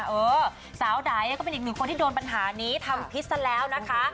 เออสาวใดก็เป็นอีกหนึ่งคนที่โดนปัญหานี้ทำพิษซะแล้วนะคะ